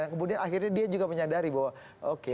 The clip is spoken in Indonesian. kemudian akhirnya dia juga menyadari bahwa oke